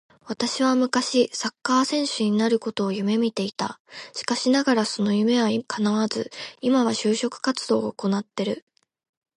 私は昔サッカー選手になることを夢見ていた。しかしながらその夢は叶わず、今は就職活動を行ってる。